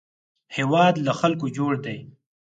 هېواد له خلکو جوړ دی